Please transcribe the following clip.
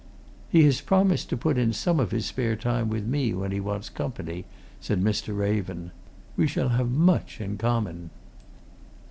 "He has promised to put in some of his spare time with me, when he wants company," said Mr. Raven. "We shall have much in common."